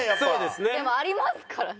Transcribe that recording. でもありますからね。